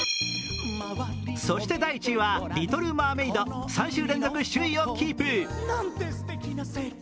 そして第１位は「リトル・マーメイド」、３週連続首位をキープ。